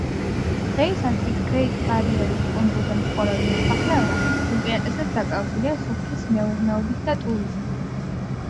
დღეისათვის გრეიტ-ბარიერის კუნძულზე მცხოვრები მოსახლეობა, უპირატესად დაკავებულია სოფლის მეურნეობით და ტურიზმით.